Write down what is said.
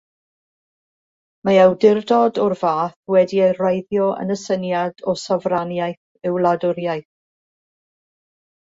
Mae awdurdod o'r fath wedi'i wreiddio yn y syniad o sofraniaeth y wladwriaeth.